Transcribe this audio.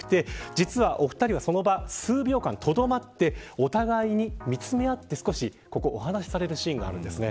実はお二人はその場に数秒間とどまってお互いに見つめ合ってお話しされるシーンがあるんですね。